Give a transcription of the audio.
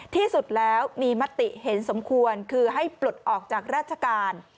ที่สุดแล้วมีมติเห็นสมควรคือให้ปลดออกจากราชการ